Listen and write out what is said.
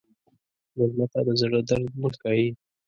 مېلمه ته د زړه درد مه ښیې.